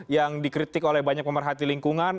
yang dikritik oleh banyak pemerhati lingkungan